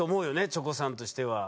チョコさんとしては。